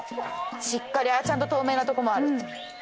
しっかりちゃんと透明なとこもある。